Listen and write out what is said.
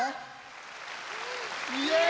イエーイ！